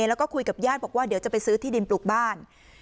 แล้วก็คุยกับญาติบอกว่าเดี๋ยวจะไปซื้อที่ดินปลูกบ้าน